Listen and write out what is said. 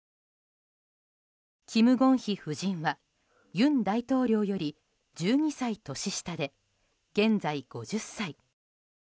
キム・ゴンヒ夫人は尹大統領より１２歳年下で現在、５０歳。